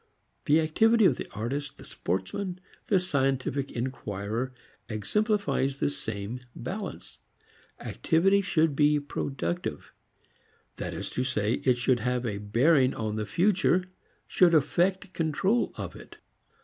The activity of the artist, the sportsman, the scientific inquirer exemplifies the same balance. Activity should be productive. This is to say it should have a bearing on the future, should effect control of it.